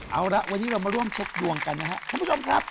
เอ้าหละวันนี้เรามาเช็คดวงกันครับทหารผู้หญิงครับ